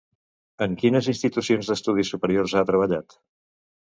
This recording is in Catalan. En quines institucions d'estudis superiors ha treballat?